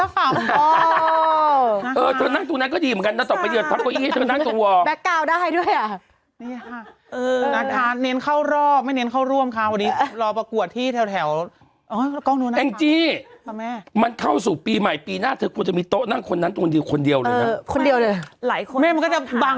คุณซักเขาลงรายงานแปปเดียวเอง